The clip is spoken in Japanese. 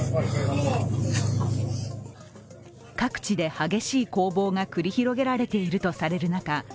各地で激しい攻防が繰り広げられているとされる中